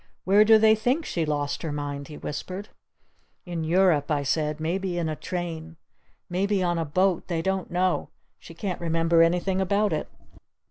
"Where do they think she lost her mind?" he whispered. "In Europe," I said. "Maybe in a train! Maybe on a boat! They don't know! She can't remember anything about it."